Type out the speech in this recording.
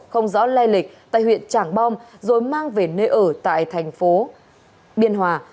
không rõ lai lịch tại huyện trảng bom rồi mang về nơi ở tại thành phố biên hòa